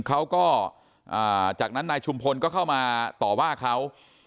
เขาก็จากนั้นนายชุมพลก็เข้ามาต่อว่าเขา